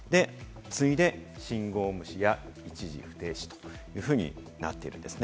次いで信号無視や、一時不停止というふうになっています。